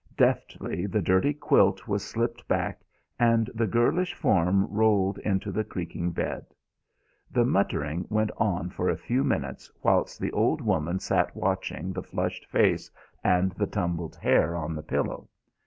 Deftly the dirty quilt was slipped back and the girlish form rolled into the creaking bed. The muttering went on for a few minutes whilst the old woman sat watching the flushed face and the tumbled hair on the pillow.